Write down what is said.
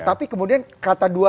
tapi kemudian kata dua